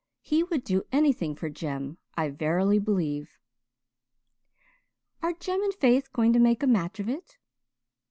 He would do anything for Jem, I verily believe." "Are Jem and Faith going to make a match of it?"